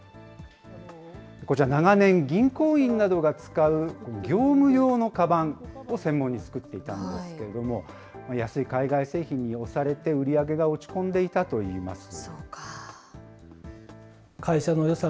こちら、長年、銀行員などが使う業務用のかばんを専門に作っていたんですけれども、安い海外製品に押されて、売り上げが落ち込んでいたといいます。